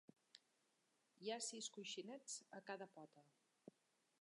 Hi ha sis coixinets a cada pota.